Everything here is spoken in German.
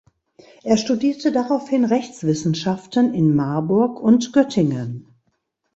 Er studierte daraufhin Rechtswissenschaften in Marburg und Göttingen.